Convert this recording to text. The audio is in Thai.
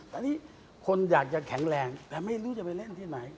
ตอนนี้คนอยากจะแข็งแรงแต่ไม่รู้จะไปเล่นที่ไหน